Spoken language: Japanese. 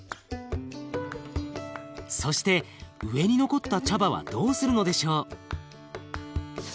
そして上に残った茶葉はどうするのでしょう？